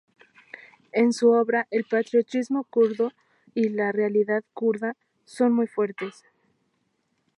En su obra, el patriotismo kurdo y la realidad kurda son muy fuertes.